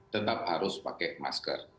tetap harus pakai masker